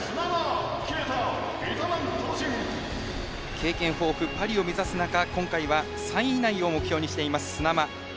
経験豊富、パリを目指す中今回は３位以内を目標にしています、砂間。